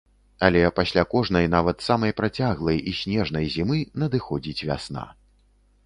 Але пасля кожнай, нават самай працяглай і снежнай зімы надыходзіць вясна.